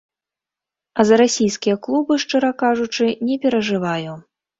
А за расійскія клубы, шчыра кажучы, не перажываю.